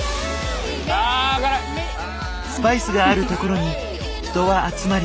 スパイスがあるところに人は集まり